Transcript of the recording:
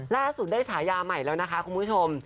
ล่าสุดได้ฉายาใหม่แล้วนะคะคุณผู้ชม